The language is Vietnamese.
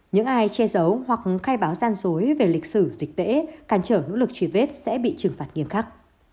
những ai che giấu hoặc khai báo gian dối về lịch sử dịch tễ càn trở nỗ lực truy vết sẽ bị trừng phạt nghiêm khắc